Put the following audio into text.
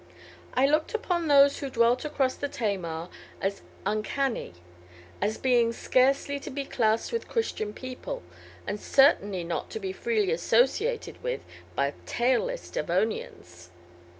I looked upon those who dwelt across the Tamar as "uncanny," as being scarcely to be classed with Christian people, and certainly not to be freely associated with by tailless Devonians.